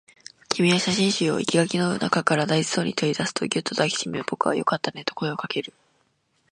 君は写真集を生垣の中から大事そうに取り出すと、ぎゅっと抱きしめ、僕はよかったねと声をかける